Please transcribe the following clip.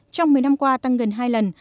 trong một mươi năm qua tăng gần hai lần